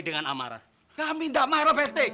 dengan amarah kami enggak amarah pt